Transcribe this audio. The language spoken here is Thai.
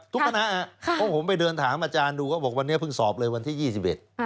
ทุกขณะผมไปเดินถามอาจารย์ดูก็บอกวันนี้พึงสอบเลยวันที่๒๑